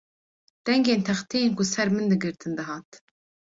Dengên texteyên ku ser min digirtin dihat